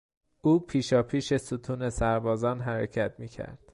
او پیشاپیش ستون سربازان حرکت می کرد.